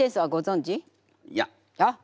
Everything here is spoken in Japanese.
いや。いや？